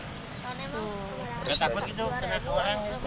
tidak takut itu kena ke orang